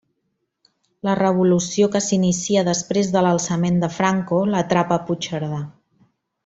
La revolució que s'inicia després de l'alçament de Franco l'atrapa a Puigcerdà.